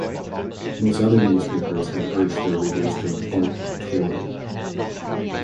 Most other newspapers had urged their readers to vote Tory.